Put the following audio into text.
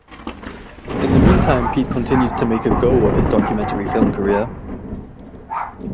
In the meantime, Pete continues to make a go of his documentary film career.